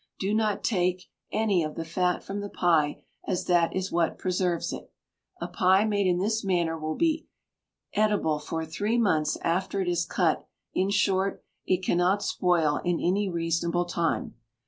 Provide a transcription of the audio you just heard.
Do not take, any of the fat from the pie, as that is what preserves it. A pie made in this manner will be eatable for three months after it is cut; in short, it cannot spoil in any reasonable time.